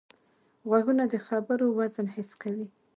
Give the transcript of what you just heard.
غوږونه د خبرو وزن حس کوي